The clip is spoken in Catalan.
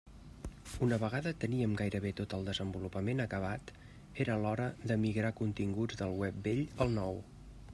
Una vegada teníem gairebé tot el desenvolupament acabat, era l'hora de migrar continguts del web vell al nou.